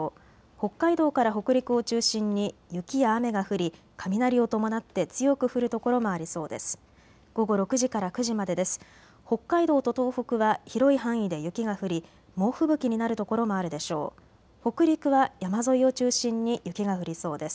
北海道から北陸を中心に雪や雨が降り雷を伴って強く降る所もありそうです。